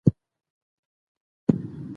ګټه مې په نوي ماشین ولګوله.